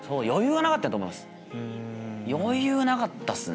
余裕がなかったっすね。